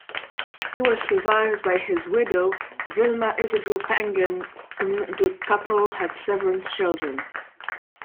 He was survived by his widow, Vilma Isidro-Pangan;m the couple had seven children.